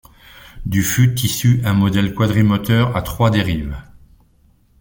Du fut issu un modèle quadrimoteur à trois dérives.